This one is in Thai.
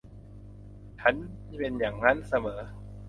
ฉันเป็นยังงั้นเสมอ